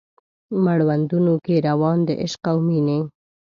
مړوندونو کې روان د عشق او میینې